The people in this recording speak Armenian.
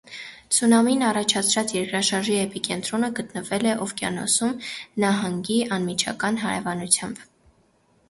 Ցունամիի առաջացրած երկրաշարժի էպիկենտրոնը գտնվել է օվկիանոսում՝ նահանգի անմիջական հարևանությամբ։